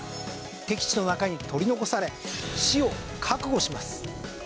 敵地の中に取り残され死を覚悟します。